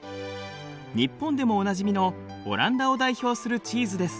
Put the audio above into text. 日本でもおなじみのオランダを代表するチーズです。